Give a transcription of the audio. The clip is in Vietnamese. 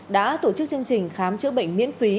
đã tổ chức chương trình khám chữa bệnh miễn phí